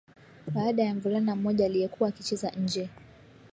baada ya mvulana mmoja aliyekuwa akicheza nje